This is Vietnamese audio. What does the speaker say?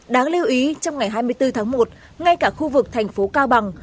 đáng lưu ý trong ngày hai mươi bốn tháng một ngay cả khu vực thành phố cao bằng